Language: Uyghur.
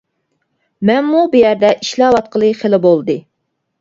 مەنمۇ بۇ يەردە ئىشلەۋاتقىلى خىلى بولدى.